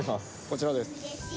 こちらです。